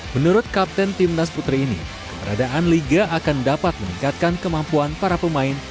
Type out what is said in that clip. menurut kapten timnas putri ini keberadaan liga akan dapat meningkatkan kemampuan para pemain